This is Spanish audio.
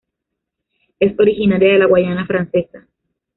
Es originaria de la Guayana Francesa.